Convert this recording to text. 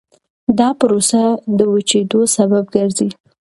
دا پروسه د وچېدو سبب ګرځي.